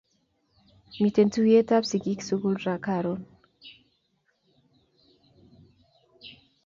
Miten tuyet ab sikik sukul karun